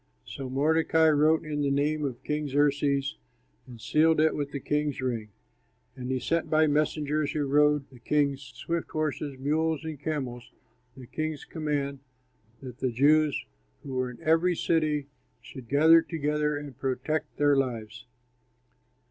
So Mordecai wrote in the name of King Xerxes and sealed it with the king's ring. And he sent by messengers, who rode the king's swift horses, mules, and camels, the king's command that the Jews who were in every city should gather together and protect their lives.